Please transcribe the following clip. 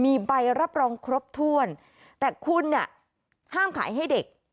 มีใบรับรองครบถ้วนแต่คุณเนี่ยห้ามขายให้เด็ก